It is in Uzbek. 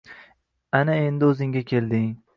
Ana endi o`zingga kelding